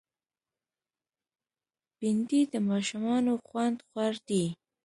بېنډۍ د ماشومانو خوند خوړ دی